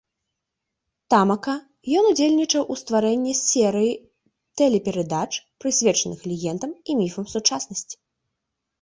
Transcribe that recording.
Тамака ён удзельнічаў у стварэнні серыі тэлеперадач, прысвечаных легендам і міфам сучаснасці.